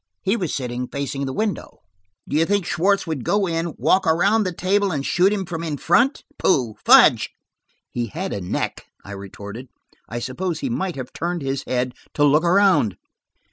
He was sitting facing the window. Do you think Schwartz would go in, walk around the table and shoot him from in front? Pooh! Fudge!" "He had a neck," I retorted. "I suppose he might have turned his head to look around."